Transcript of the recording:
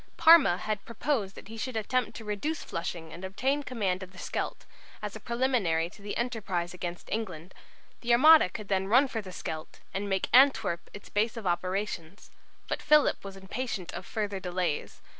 Parma had proposed that he should attempt to reduce Flushing and obtain command of the Scheldt, as a preliminary to the enterprise against England. The Armada could then run for the Scheldt, and make Antwerp its base of operations. But Philip was impatient of further delays.